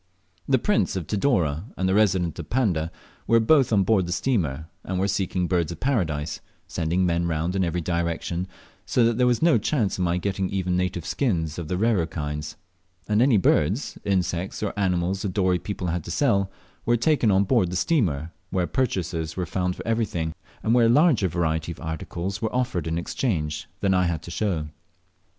The Prince of Tidore and the Resident of Panda were both on board the steamer, and were seeking Birds of Paradise, sending men round in every direction, so that there was no chance of my getting even native skins of the rarer kinds; and any birds, insects, or animals the Dorey people had to sell were taken on board the steamer, where purchasers were found for everything, and where a larger variety of articles were offered in exchange than I had to show.